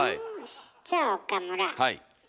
じゃあ岡村。